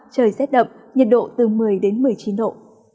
trời rét đậm nhiệt độ từ một mươi đến một mươi chín độ